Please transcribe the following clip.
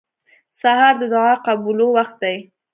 سهار د دعا قبولو وخت دی.